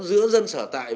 giữa dân sở tại